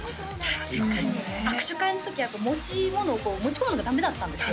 確かに握手会の時やっぱ持ち物持ち込むのがダメだったんですよ